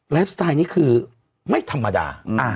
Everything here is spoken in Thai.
ไลฟ์สไตล์นี้คือไม่ธรรมดา